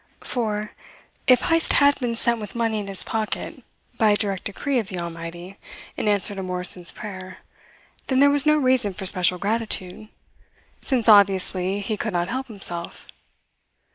For, if Heyst had been sent with money in his pocket by a direct decree of the Almighty in answer to Morrison's prayer then there was no reason for special gratitude, since obviously he could not help himself.